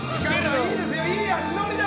いい足取りだ！